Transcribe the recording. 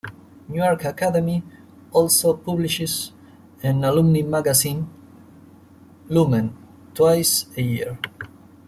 Newark Academy also publishes an alumni magazine, "Lumen", twice a year.